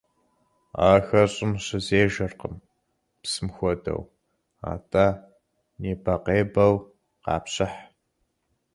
Ахэр щӀым щызежэркъым, псым хуэдэу, атӀэ небэкъебэу къапщыхь.